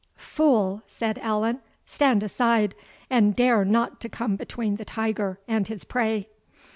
"Fool!" said Allan, "stand aside, and dare not to come between the tiger and his prey!"